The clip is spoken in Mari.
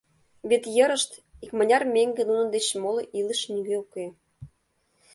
Вет йырышт икмыняр меҥге нунын деч моло илыше нигӧ уке.